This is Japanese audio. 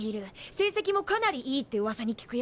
成績もかなりいいってうわさに聞くよ。